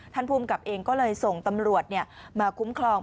ภูมิกับเองก็เลยส่งตำรวจมาคุ้มครอง